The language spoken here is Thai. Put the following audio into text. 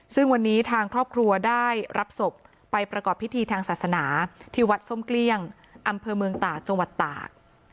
ซึ่งวันนี้ทางครอบครัวได้รับศพไปประกอบพิธีทางศาสนาที่วัดส้มเกลี้ยงอำเภอเมืองตากจังหวัดตาก